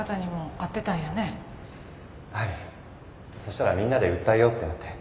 そしたらみんなで訴えようってなって。